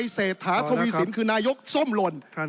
เศรษฐาทวีสินคือนายกส้มหล่น